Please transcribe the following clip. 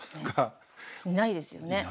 いないですよね。